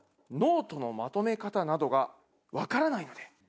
ノートのまとめ方などが分からない。